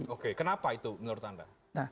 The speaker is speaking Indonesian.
oke kenapa itu menurut anda